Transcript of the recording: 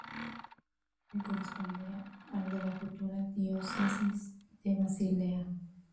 Su territorio correspondía al de la futura diócesis de Basilea.